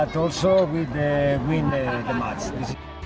tapi juga dengan menang pertandingan ini